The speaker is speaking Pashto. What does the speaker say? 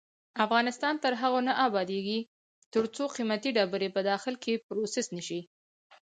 افغانستان تر هغو نه ابادیږي، ترڅو قیمتي ډبرې په داخل کې پروسس نشي.